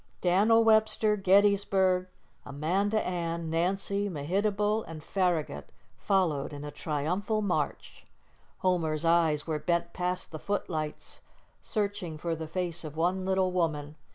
Dan'l Webster, Gettysburg, Amanda Ann, Nancy, Mehitable and Farragut followed in a triumphal march. Homer's eyes were bent past the footlights, searching for the face of one little woman.